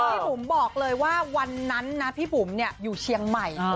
พี่หมุมบอกเลยว่าวันนั้นพี่หมุมอยู่เชียงใหม่